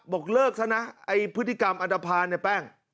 บอกเลิกซะนะไอ้พฤติกรรมอัฐภาในแป้ง